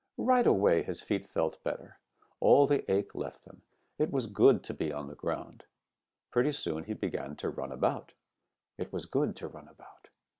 "Right away his feet felt better. All the ache left them. It was good to be on the ground. Pretty soon he began to run about. It was good to run about.